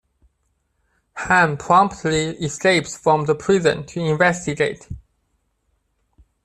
Han promptly escapes from the prison to investigate.